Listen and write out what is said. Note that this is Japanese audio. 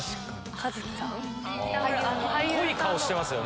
濃い顔してますよね。